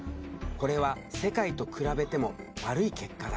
これは世界と比べても悪い結果だ。